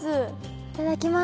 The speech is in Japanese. いただきます！